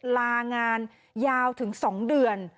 ลางานยาวถึง๒เดือน